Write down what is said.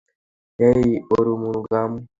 হেই, Arumugam!